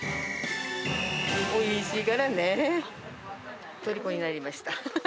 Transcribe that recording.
おいしいからねえ、とりこになりました。